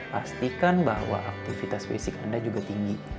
pastikan bahwa aktivitas fisik anda juga tinggi